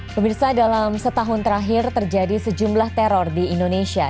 pemirsa dalam setahun terakhir terjadi sejumlah teror di indonesia